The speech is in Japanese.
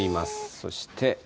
そして。